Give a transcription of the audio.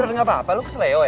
lo bener gapapa lo keselayaan ya